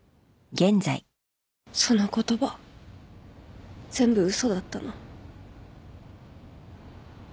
その言葉全部嘘だったの？